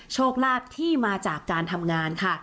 โชคลาภที่มาจากการทำงานค่ะ